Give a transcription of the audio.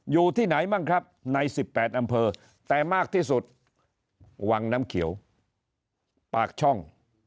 อยู่ที่ไหนบ้างครับใน๑๘อำเภอแต่มากที่สุดวังน้ำเขียวปากช่อง